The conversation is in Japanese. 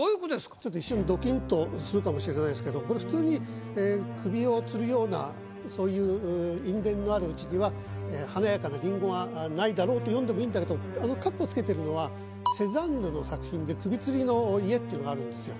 ちょっと一瞬ドキンとするかもしれないですけどこれ普通に首をつるようなそういう因縁のある地にはと読んでもいいんだけどあの括弧付けてるのはセザンヌの作品で「首吊りの家」っていうのがあるんですよ。